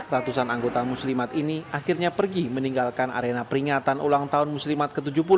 ratusan anggota muslimat ini akhirnya pergi meninggalkan arena peringatan ulang tahun muslimat ke tujuh puluh